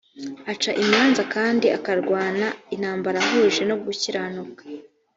aca imanza kandi akarwana intambara ahuje no gukiranuka